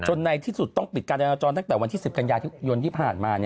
ในที่สุดต้องปิดการจราจรตั้งแต่วันที่๑๐กันยายนที่ผ่านมา